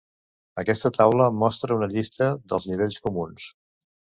Aquesta taula mostra una llista dels nivells comuns.